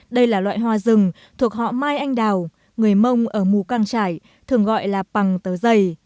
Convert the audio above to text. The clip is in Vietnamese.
đây là loại hoa rừng thuộc họ mai anh đào người mông ở mù căng trải thường gọi là bằng tớ dày